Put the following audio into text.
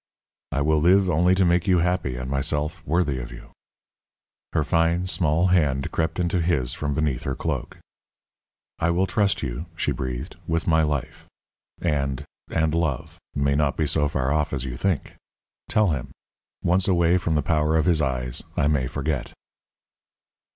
"I will live only to make you happy, and myself worthy of you." Her fine small hand crept into his from beneath her cloak. "I will trust you," she breathed, "with my life. And and love may not be so far off as you think. Tell him. Once away from the power of his eyes I may forget."